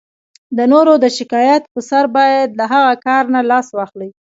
د نورو د شکایت په سر باید له هغه کار نه لاس واخلئ.